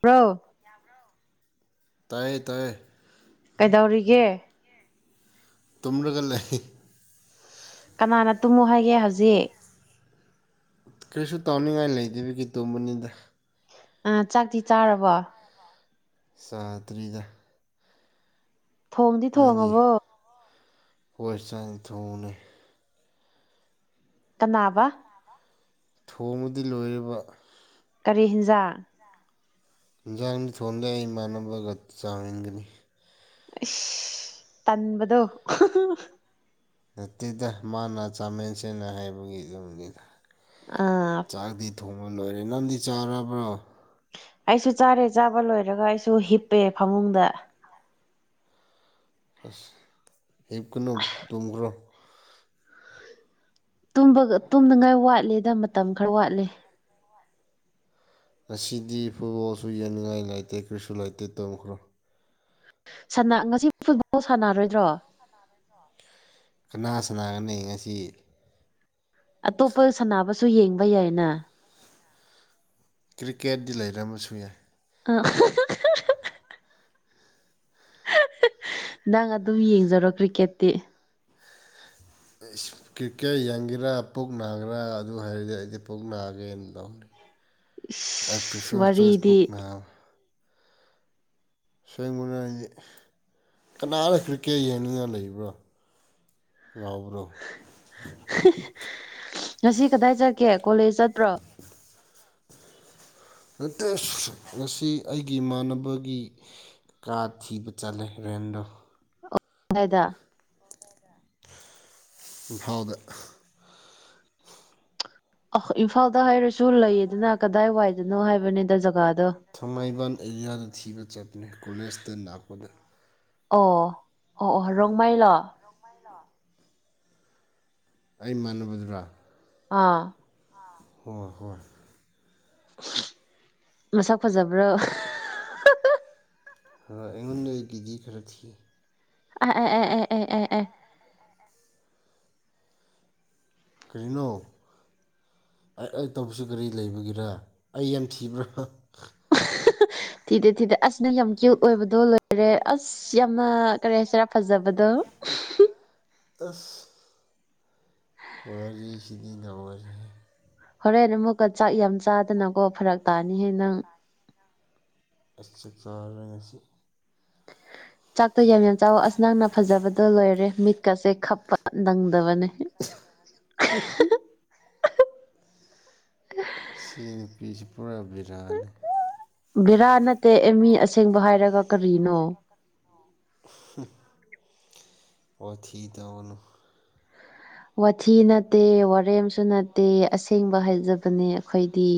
pro ꯇꯌꯦ ꯇꯌꯦ ꯀꯩꯗꯧꯔꯤꯒꯦ ꯇꯨꯝꯂꯒ ꯂꯩ ꯀꯅꯥꯅ ꯇꯨꯝꯃꯨ ꯍꯥꯏꯒꯦ ꯍꯧꯖꯤꯛ ꯀꯔꯤꯁꯨ ꯇꯥꯎꯅꯤꯡꯉꯥꯏ ꯂꯩꯇꯕꯒꯤꯦ ꯇꯣꯕꯅꯤꯗ ꯑꯥ ꯆꯥꯛꯇꯤ ꯆꯥꯔꯕꯣ ꯆꯥꯇ꯭ꯔꯤꯗ ꯊꯣꯡꯗꯤ ꯅꯪꯗꯤ ꯊꯣꯡꯉꯕꯣ ꯄꯣꯏꯠ ꯆꯥꯡ ꯊꯣꯡꯅꯤ ꯇꯅꯥꯕ ꯊꯣꯡꯃꯗꯤ ꯂꯣꯏꯔꯕ ꯀꯔꯤ ꯍꯤꯟꯖꯥꯡ ꯌꯦꯟꯖꯥꯡꯅꯤ ꯊꯣꯟꯗ ꯑꯩ ꯏꯃꯥꯟꯅꯕꯒ ꯆꯥꯃꯤꯒꯅꯤ ꯏ ꯇꯟꯕꯗꯣ ꯅꯠꯇꯦꯗ ꯃꯥꯅ ꯆꯥꯃꯦꯟꯁꯦꯅ ꯍꯥꯏꯕꯒꯤ ꯌꯨꯝꯅꯤꯗ ꯑꯥ ꯆꯥꯛꯗꯤ ꯊꯣꯡꯕ ꯂꯣꯏꯔꯦ ꯅꯪꯗꯤ ꯆꯥꯔꯕ꯭ꯔꯣ ꯑꯩꯁꯨ ꯆꯥꯔꯦ ꯆꯥꯕ ꯂꯣꯏꯔꯒ ꯑꯩꯁꯨ ꯍꯤꯞꯄꯦ ꯐꯃꯨꯡꯗ ꯑꯁ ꯍꯤꯞꯀꯅꯨ ꯇꯨꯝꯈ꯭ꯔꯣ ꯕ ꯇꯨꯝꯅꯉꯥꯏ ꯋꯥꯠꯂꯤꯦꯗ ꯃꯇꯝ ꯈꯔ ꯋꯥꯠꯂꯤꯦ ꯉꯁꯤꯗꯤ ꯐꯨꯠꯕꯣꯜꯁꯨ ꯌꯦꯡꯅꯤꯡꯉꯥꯏ ꯂꯩꯇꯦ ꯀꯔꯤꯁꯨ ꯂꯩꯇꯦ ꯇꯣꯝꯈ꯭ꯔꯣ ꯉꯁꯤ ꯐꯨꯠꯕꯣꯜ ꯁꯥꯟꯅꯔꯣꯏꯗ꯭ꯔꯣ ꯀꯅꯥ ꯁꯅꯥꯒꯅꯤ ꯉꯁꯤ ꯑꯇꯣꯞꯄ ꯁꯥꯟꯅꯕꯁꯨ ꯌꯦꯡꯕ ꯌꯥꯏꯅ ꯀ꯭ꯔꯤꯀꯦꯠꯇꯤ ꯂꯩꯔꯝꯃꯁꯨ ꯌꯥꯏ ꯑ ꯅꯪ ꯑꯗꯨꯝ ꯌꯦꯡꯖꯔꯣ ꯀ꯭ꯔꯤꯛꯀꯦꯠꯇꯤ ꯀ꯭ꯔꯤꯀꯦꯠ ꯌꯦꯡꯒꯦꯔꯥ ꯄꯨꯛ ꯅꯥꯒꯦꯔꯥ ꯑꯗꯨ ꯍꯥꯏꯔꯗꯤ ꯑꯩꯗꯤ ꯄꯨꯛ ꯅꯥꯒꯦꯅ ꯂꯧꯅꯤ ꯏꯁ ꯆꯣꯏꯁ ꯋꯥꯔꯤꯗꯤ ꯄꯨꯛ ꯅꯥꯕ ꯁꯦꯡꯕꯅ ꯍꯥꯏꯗꯤ ꯀꯅꯥꯅ ꯀ꯭ꯔꯤꯛꯀꯦꯠ ꯌꯦꯡꯅꯤꯡꯉ ꯂꯩꯕ꯭ꯔꯣ ꯂꯥꯎꯕ꯭ꯔꯣ ꯉꯁꯤ ꯀꯗꯥꯏ ꯆꯠꯀꯦ ꯀꯣꯂꯦꯖ ꯆꯠꯇꯄ꯭ꯔꯣ ꯅꯠꯇꯦ ꯉꯁꯤ ꯑꯩꯒꯤ ꯏꯃꯥꯟꯅꯕꯒꯤ ꯀꯥ ꯊꯤꯕ ꯆꯠꯂꯦ ꯔꯦꯟꯗꯣ ꯐꯗ ꯝꯐꯥꯎꯗ ꯑ ꯏꯝꯐꯥꯜꯗ ꯍꯥꯏꯔꯁꯨ ꯂꯩꯌꯦꯗꯅ ꯀꯗꯥꯏ ꯋꯥꯏꯗꯅꯣ ꯍꯥꯏꯕꯅꯤꯗ ꯖꯒꯥꯗꯣ ꯊꯥꯡꯃꯥꯏꯕꯥꯟ ꯑꯦꯔꯤꯌꯥꯗ ꯊꯤꯕ ꯆꯠꯄꯅꯦ ꯀꯣꯂꯦꯖꯇ ꯂꯥꯛꯄꯗ ꯑꯣ ꯑꯣ ꯑꯣ ꯔꯣꯡꯃꯥꯏꯂꯣ ꯑꯩ ꯃꯥꯟꯅꯕꯗꯨꯔꯥ ꯑꯥ ꯍꯣꯏ ꯍꯣꯏ ꯃꯁꯛ ꯐꯖꯕ꯭ꯔꯥ ꯑꯩꯉꯣꯟꯗ ꯑꯩ ꯀꯦ ꯖꯤ ꯈꯔ ꯊꯤ ꯑ ꯑꯦ ꯑꯦ ꯑꯦ ꯑꯦ ꯑꯦ ꯀꯅꯣ ꯑꯩ ꯇꯧꯕꯁꯨ ꯀꯔꯤ ꯂꯩꯕꯒꯤꯔ ꯑꯩ ꯌꯥꯝ ꯊꯤꯕ꯭ꯔꯥ ꯊꯤꯗꯦ ꯊꯤꯗꯦ ꯑꯁꯅ ꯌꯥꯝ ꯀ꯭ꯌꯨꯠ ꯑꯣꯏꯕꯗꯣ ꯂꯣꯏꯔꯦ ꯑꯁ ꯌꯥꯝꯅ ꯀꯔꯦ ꯍꯥꯏꯁꯤꯔꯥ ꯐꯖꯕꯗꯣ ꯑꯐ ꯇꯔꯤꯁꯤꯗꯤꯟ ꯑꯋꯥꯔꯦ ꯍꯣꯔꯦꯟ ꯑꯃꯨꯛꯀ ꯆꯥꯛ ꯌꯥꯝ ꯆꯥꯗꯅꯀꯣ ꯐꯔꯛ ꯇꯥꯅꯤꯍꯦ ꯅꯪ ꯑꯩ ꯆꯥꯛ ꯆꯥꯔ ꯉꯁꯤ ꯆꯥꯛꯇꯣ ꯌꯥꯝ ꯌꯥꯝ ꯆꯥꯎꯋ ꯑꯁ ꯅꯪꯅ ꯐꯖꯕꯗꯣ ꯂꯣꯏꯔꯦ ꯃꯤꯠꯀꯁꯦ ꯈꯞꯄ ꯅꯪꯗꯕꯅꯦ [inaudible] [unintelligible] ꯁꯤ ꯅꯨꯄꯤꯁꯤ ꯄꯨꯔꯥ ꯕꯤꯔꯥꯅꯤ ꯕꯤꯔꯥ ꯅꯠꯇꯦ ꯑꯦꯝꯃꯤ ꯑꯁꯦꯡꯕ ꯍꯥꯏꯔꯒ ꯀꯔꯤꯅꯣ ꯑꯣ ꯊꯗ ꯑꯣꯅꯨ ꯋꯥꯊꯤ ꯅꯠꯇꯦ ꯋꯥꯔꯦꯝꯁꯨ ꯅꯠꯇꯦ ꯑꯁꯦꯡꯕ ꯍꯥꯏꯖꯕꯅꯦ ꯑꯩꯈꯣꯏꯗꯤ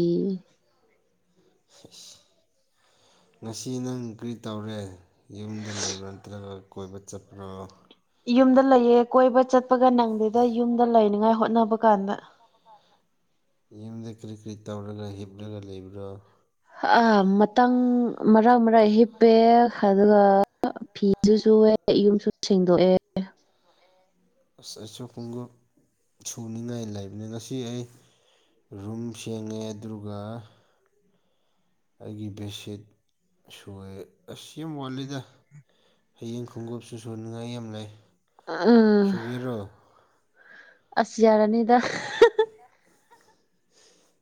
ꯉꯁꯤ ꯅꯪ ꯀ꯭ꯔꯤ ꯇꯧꯔꯦ ꯌꯨꯝꯗ ꯂꯩꯕ꯭ꯔꯥ ꯅꯠꯇ꯭ꯔꯒ ꯀꯣꯏꯕ ꯆꯠꯄ꯭ꯔꯥ ꯌꯨꯝꯗ ꯂꯩꯌꯦ ꯀꯣꯏꯕ ꯆꯠꯄꯒ ꯅꯪꯗꯦꯗ ꯌꯨꯝꯗ ꯂꯩꯅꯤꯉꯥꯏ ꯍꯣꯠꯅꯕ ꯀꯥꯟꯗ ꯌꯨꯝꯗ ꯀꯔꯤ ꯀꯔꯤ ꯇꯧꯔꯒ ꯍꯤꯞꯂꯒ ꯂꯩꯕ꯭ꯔꯣ ꯃꯇꯥꯡ ꯃꯔꯥꯡ ꯃꯔꯥꯡ ꯍꯤꯞꯄꯦꯛ ꯑꯗꯨꯒ ꯐꯤꯁꯨ ꯁꯨꯑꯦ ꯌꯨꯝꯁꯨ ꯁꯦꯡꯗꯣꯛꯑꯦ ꯑꯁ ꯑꯩꯁꯨ ꯈꯨꯡꯎꯞ ꯁꯨꯅꯤꯡꯉꯥꯏ ꯂꯩꯕꯅꯤ ꯉꯁꯤ ꯑꯩ ꯔꯨꯝ ꯁꯦꯡꯉꯦ ꯑꯗꯨꯒ ꯑꯩꯒꯤ ꯕꯦꯠꯁꯤꯠ ꯁꯣꯏꯦ ꯑꯁꯤ ꯌꯥꯝ ꯋꯥꯜꯂꯤꯗ ꯍꯌꯦꯡ ꯈꯣꯡꯎꯞꯁꯨ ꯁꯨꯅꯤꯡꯉꯥꯏ ꯌꯥꯝ ꯂꯩ ꯑ ꯁꯨꯨꯔꯔꯣ ꯑ ꯌꯥꯔ ꯑꯅꯤꯗ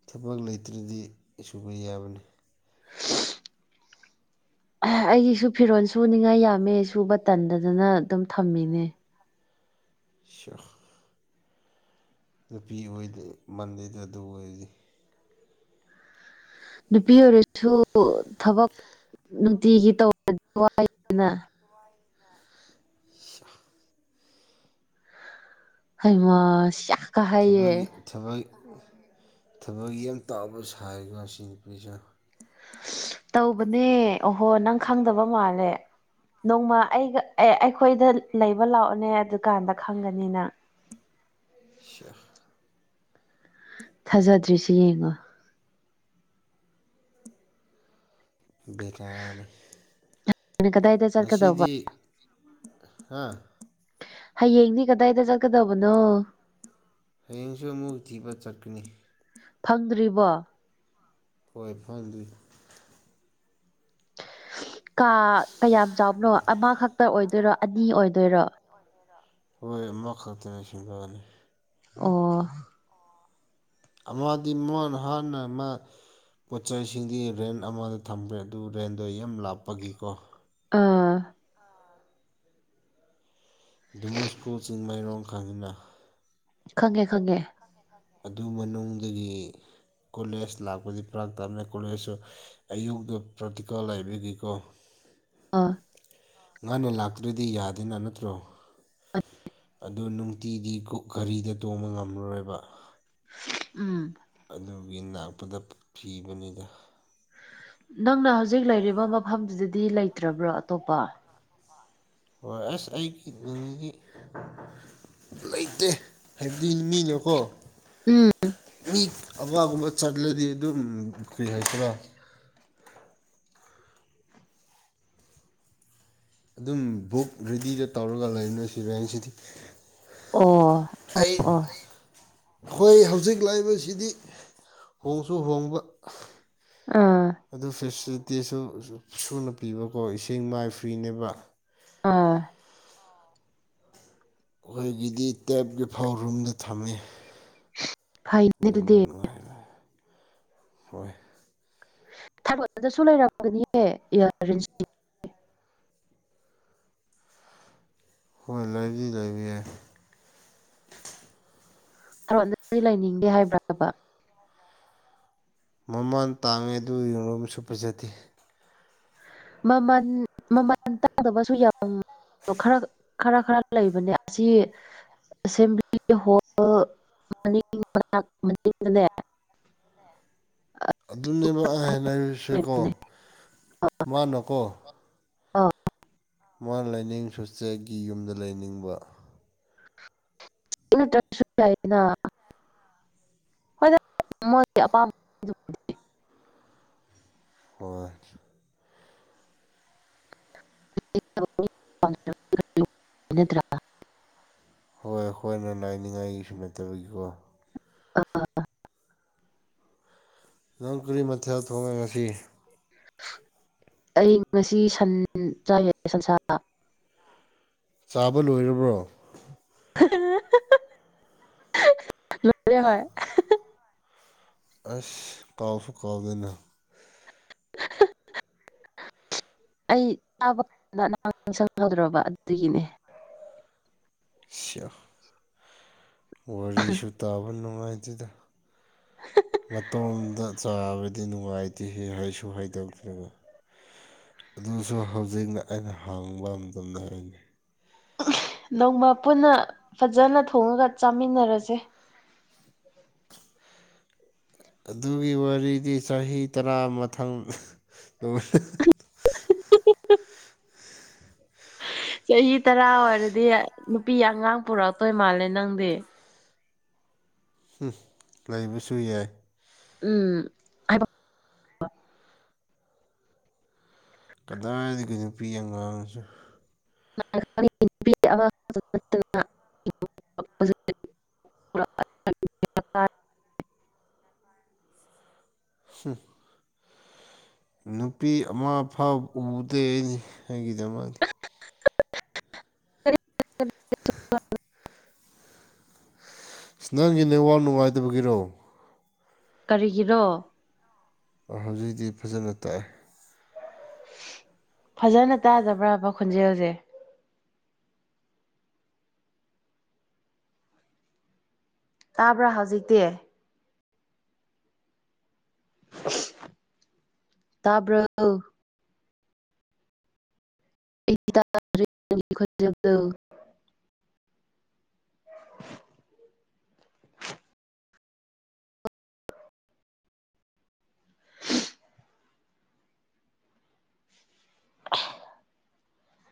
ꯊꯕꯛ ꯂꯩꯇ꯭ꯔꯗꯤ ꯁꯨꯕ ꯌꯥꯕꯅꯤ ꯑꯩꯒꯤꯁꯨ ꯐꯤꯔꯣꯜ ꯁꯨꯅꯤꯡꯉꯥꯏ ꯌꯥꯝꯃꯦ ꯁꯁꯨ ꯕ ꯇꯟꯗꯗꯅ ꯑꯗꯨꯝ ꯊꯝꯃꯤꯅꯦ ꯁꯍ ꯅꯨꯄꯤ ꯑꯣꯏ ꯃꯟꯗꯩꯗ ꯑꯗꯨ ꯑꯣꯏꯔꯗꯤ ꯅꯨꯄꯤ ꯑꯣꯏꯔꯁꯨ ꯊꯕꯛ ꯅꯨꯡꯇꯤꯒꯤ ꯇꯧꯕꯔꯗꯤ ꯋꯥꯏꯗꯅ [inaudible] ꯍꯩꯃꯁ ꯊꯕꯛꯒꯤ ꯊꯕꯛ ꯊꯕꯛꯒꯤ ꯌꯥꯝ ꯇꯥꯎꯕ ꯁꯥꯀꯣ ꯁꯤ ꯅꯨꯄꯤꯁ ꯇꯧꯕꯅꯦ ꯑꯣꯍꯣ ꯅꯪ ꯈꯪꯗꯕ ꯃꯥꯜꯂꯦ ꯅꯣꯡꯃ ꯑꯩꯒ ꯑꯦ ꯑꯩꯈꯣꯏꯗ ꯂꯩꯕ ꯂꯥꯛꯑꯣꯅꯦ ꯑꯗꯨꯀꯥꯟꯗ ꯈꯪꯒꯅꯤꯅ ꯏ ꯊꯥꯖꯗ꯭ꯔꯤꯁꯤꯦ ꯌꯦꯡꯉꯣ ꯕꯦꯔꯥꯅꯤ ꯅꯪ ꯀꯗꯥꯏꯗ ꯆꯠꯀꯗꯧꯕ ꯉꯁꯤꯗꯤ ꯍꯥꯥ ꯍꯌꯦꯡꯗꯤ ꯀꯗꯥꯏꯗ ꯆꯠꯀꯗꯕꯅꯣ ꯍꯌꯦꯡꯁꯨ ꯑꯃꯨꯛ ꯊꯤꯕ ꯆꯠꯀꯅꯤ ꯐꯪꯗ꯭ꯔꯤꯕꯣ ꯍꯣꯏ ꯐꯪꯗꯤ ꯀꯥ ꯀꯌꯥꯝ ꯆꯥꯎꯕꯅꯣ ꯑꯃꯈꯛꯇ ꯑꯣꯏꯗꯣꯏꯔꯣ ꯑꯅꯤ ꯑꯣꯏꯗꯣꯏꯔꯣ ꯑꯣꯏꯒꯦꯔꯥ ꯍꯣꯏ ꯃꯣꯈꯜ ꯇꯁꯤꯤꯡ ꯂꯥꯟꯅꯤ ꯑꯣ ꯑꯃꯗꯤ ꯃꯣꯟ ꯍꯥꯟꯅ ꯑꯃ ꯄꯣꯠ ꯆꯩꯁꯤꯡꯗꯤ ꯔꯦꯟ ꯑꯃꯗ ꯊꯝꯈ꯭ꯔꯦ ꯑꯗꯨ ꯔꯦꯟꯗꯣ ꯌꯥꯝ ꯂꯥꯞꯄꯒꯤꯀꯣ ꯑꯥ ꯗꯤꯃꯨꯁꯀꯨꯜ ꯆꯤꯡꯃꯥꯏꯔꯣꯡ ꯀꯥꯡꯪꯉꯤꯅ ꯈꯪꯉꯦ ꯈꯪꯉꯦ ꯑꯗꯨ ꯃꯅꯨꯡꯗꯒꯤ ꯀꯣꯂꯦꯖ ꯂꯥꯛꯄꯗꯤ ꯄꯔꯥꯛ ꯇꯥꯃꯦ ꯀꯣꯂꯦꯖꯁꯨ ꯑꯌꯨꯛꯇ ꯄ꯭ꯔꯥꯛꯇꯤꯀꯥ ꯂꯕꯒꯤꯀꯣ ꯑꯥ ꯉꯥꯡꯅ ꯂꯥꯛꯇꯣꯏꯗꯤ ꯌꯥꯗꯦꯅ ꯅꯠꯇ꯭ꯔꯣ ꯑꯗꯨ ꯅꯨꯡꯇꯤꯗꯤ ꯘꯔꯤꯗ ꯇꯣꯡꯕ ꯉꯝꯔꯣꯏꯕ ꯎꯝ ꯑꯗꯨꯒꯤ ꯅꯥꯛꯄꯗ ꯐꯤꯕꯅꯤꯗ ꯅꯪꯅ ꯍꯧꯖꯤꯛ ꯂꯩꯔꯤꯕ ꯃꯐꯝꯗꯨꯗꯗꯤ ꯂꯩꯇ꯭ꯔꯕ꯭ꯔꯣ ꯑꯇꯣꯞꯄ ꯍꯣꯏ ꯑꯁ ꯑꯩꯒꯤ ꯒꯤ ꯂꯩꯇꯦ ꯍꯥꯏꯕꯗꯤ ꯃꯤꯅꯀꯣ ꯎꯝ ꯑꯋꯥꯒꯨꯝꯕ ꯆꯠꯂꯗꯤ ꯑꯗꯨꯝ ꯀꯔꯤ ꯍꯥꯏꯗꯔꯥ ꯑꯗꯨꯝ ꯕꯨꯛ ꯔꯦꯗꯤꯗ ꯇꯧꯔꯒ ꯂꯩꯅ ꯁꯤꯔꯦ ꯍꯥꯏꯁꯤꯗꯤ ꯑꯣ ꯑꯣ ꯑꯣ ꯑꯩꯈꯣꯏ ꯍꯧꯖꯤꯛ ꯂꯥꯛꯏꯕꯁꯤꯗꯤ ꯍꯣꯡꯁꯨ ꯍꯣꯡꯕ ꯑꯥ ꯑꯗꯨ ꯐꯦꯁꯤꯂꯤꯇꯤꯁꯨ ꯁꯨꯅ ꯄꯤꯕꯀꯣ ꯏꯁꯤꯡ ꯃꯥꯏ ꯐ꯭ꯔꯤꯅꯦꯕ ꯑꯥ ꯑꯩꯍꯣꯏꯒꯤꯗꯤ ꯇꯦꯞꯀꯤ ꯐꯥꯎꯔꯨꯝꯗ ꯊꯝꯃꯤ ꯐꯩꯅꯦ ꯑꯗꯨꯅ ꯑꯗꯨꯗꯤ ꯅꯨꯡꯉꯥꯏ ꯅꯨꯡ ꯍꯣꯏ ꯊꯥꯕꯗꯁꯨ ꯂꯩꯔꯝꯒꯅꯤ ꯏ ꯑꯩꯈꯣꯏꯅ ꯂꯥꯏꯔꯤ ꯂꯩꯕꯤ ꯌꯥ ꯔꯅꯗꯤ ꯂꯩꯅꯤꯡꯗꯦ ꯍꯥꯏꯕ꯭ꯔꯥ ꯃꯃꯥꯟ ꯇꯥꯡꯉꯦ ꯑꯗꯨ ꯌꯣꯝꯁꯨ ꯐꯖꯗꯦ ꯃꯃꯜ ꯃꯃꯜ ꯇꯥꯡꯗꯕꯁꯨ ꯌꯥꯝ ꯑ ꯈꯔ ꯈꯔ ꯈꯔ ꯂꯩꯕꯅꯦ ꯑꯁꯤ ꯑꯦꯁꯦꯝꯕ꯭ꯂꯤꯒꯤ ꯍꯣꯜ ꯃꯅꯤꯡꯅꯥꯅꯦ ꯑ ꯑꯗꯨꯅꯦꯕ ꯑꯍꯦꯟꯅ ꯍꯥꯏꯔꯤꯁꯦꯀꯣ ꯃꯥꯅꯀꯣ ꯑ ꯃꯥꯅ ꯂꯥꯏꯅꯤꯡ ꯁꯨꯆꯦꯒꯤ ꯌꯨꯝꯗ ꯂꯩꯅꯤꯡꯕ ꯅꯠꯇ꯭ꯔꯁꯨ ꯌꯥꯏꯌꯦꯅ ꯍꯣꯏ ꯃꯣꯏꯒꯤ ꯑꯄꯥꯝꯕ ꯍꯣꯏ ꯭ [unintelligible] ꯍꯣꯏ ꯍꯈꯣꯏꯅ ꯂꯥꯏꯅꯤꯡꯉꯥꯏꯒꯤꯁꯨ ꯅꯠꯇꯕꯒꯤꯀꯣ ꯑ [unintelligible] ꯅꯪ ꯀꯔꯤ ꯃꯊꯦꯜ ꯊꯣꯡꯉꯦ ꯉꯁꯤ [inaudible] ꯑꯩ ꯉꯁꯤ ꯁꯟ ꯆꯥꯏ ꯁꯟꯁꯥ ꯆꯥꯕ ꯂꯣꯏꯔꯕ꯭ꯔꯣ ꯂꯦ ꯍ [unintelligible] ꯑꯁ ꯀꯥꯎꯁꯨ ꯀꯥꯎꯗꯅ ꯑꯩ ꯆꯥꯕ ꯀꯥꯟꯗ ꯅꯍ ꯁꯪꯒꯗ꯭ꯔꯕ ꯑꯗꯨꯒꯤꯅꯦ ꯋꯥꯔꯤꯁꯨ ꯇꯥꯕ ꯅꯨꯡꯉꯥꯏꯇꯦꯗ ꯃꯇꯣꯝꯗ ꯆꯥꯕꯗꯤ ꯅꯨꯡꯉꯥꯏꯇꯦ ꯍ ꯍꯥꯏꯁꯨ ꯍꯥꯏꯗꯣꯛꯇ꯭ꯔꯤꯕ ꯑꯗꯨꯁꯨ ꯍꯧꯖꯤꯛꯅ ꯑꯩꯅ ꯍꯥꯡꯕ ꯃꯇꯝꯗ ꯍꯥꯏꯅꯤ ꯅꯧꯃ ꯄꯨꯟꯅ ꯐꯖꯅ ꯊꯣꯡꯉꯒ ꯆꯥꯃꯤꯟꯅꯔꯁꯦ ꯑꯗꯨꯒꯤ ꯋꯥꯔꯤꯗꯤ ꯆꯍꯤ ꯇꯔꯥ ꯃꯊꯪ ꯆꯍꯤ ꯇꯔꯥ ꯑꯣꯏꯔꯗꯤ ꯅꯨꯄꯤ ꯑꯉꯥꯡ ꯄꯨꯔꯛꯛꯇꯣꯏ ꯃꯥꯜꯂꯦ ꯅꯪꯗꯤ ꯍꯨ ꯂꯩꯕꯁꯨ ꯌꯥꯏ ꯎꯝ ꯀꯗꯥꯏꯗꯒꯤ ꯅꯨꯄꯤ ꯑꯉꯥꯡꯁꯦ ꯑ [unintelligible] ꯍ ꯅꯨꯄꯤ ꯑꯃ ꯐꯥꯎ ꯎꯗꯦꯅꯤ ꯑꯩꯒꯤꯗꯃꯛꯇ ꯏꯁ ꯅꯪꯒꯤ ꯅꯦꯠ ꯋꯥꯛ ꯅꯨꯉꯥꯏꯇꯕꯒꯤꯔꯣ ꯀꯔꯤꯒꯤꯔꯣ ꯍꯧꯖꯤꯛꯇꯛꯇꯤ ꯐꯖꯅ ꯇꯥꯛꯑꯦ ꯐꯖꯅ ꯇꯥꯗꯕ꯭ꯔꯕ ꯈꯣꯟꯖꯦꯜꯁꯦ ꯇꯥꯕ꯭ꯔꯥ ꯍꯧꯖꯤꯛꯇꯤ ꯇꯥꯕ꯭ꯔꯣ ꯑꯩꯗ ꯈꯣꯏꯖꯗ [unintelligible] [inaudible]